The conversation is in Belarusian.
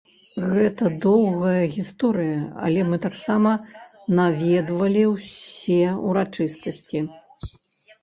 Гэта доўгая гісторыя, але мы таксама наведвалі ўсе ўрачыстасці.